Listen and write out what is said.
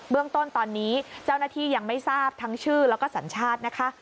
เรื่องต้นตอนนี้เจ้าหน้าที่ยังไม่ทราบทั้งชื่อแล้วก็สัญชาตินะคะ